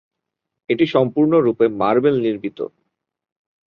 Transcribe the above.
এটি সম্পূর্ণরূপে মার্বেল নির্মিত।